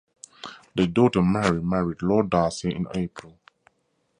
Their daughter Mary married Lord Darcy in April.